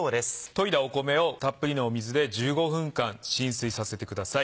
といだ米をたっぷりの水で１５分間浸水させてください。